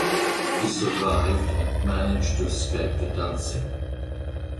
He survived and managed to escape to Danzig.